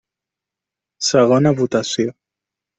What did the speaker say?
Segona votació.